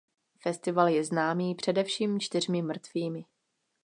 Festival je známý především čtyřmi mrtvými.